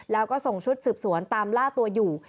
แล้วก็ส่งชุดสืบสวนตามล่าตัวอยู่